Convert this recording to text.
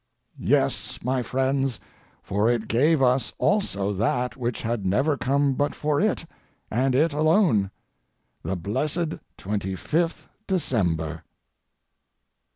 Yes, my friends, for it gave us also that which had never come but for it, and it alone—the blessed 25th December."